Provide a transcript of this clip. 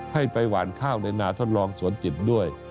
ให้ไปหวานข้าวในนาทดลองสวนจิตด้วย